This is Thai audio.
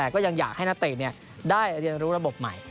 ก็ยังอยากให้นักเตะได้เรียนรู้ระบบใหม่